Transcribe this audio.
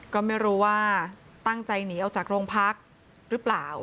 ก็ไม่รู้ว่าตั้งใจหนีออกจากโรงพักหรือเปล่า